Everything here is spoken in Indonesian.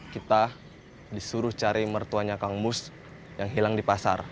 kita disuruh cari mertuanya kang mus yang hilang di pasar